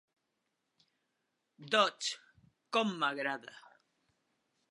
Dodge, com m"agrada.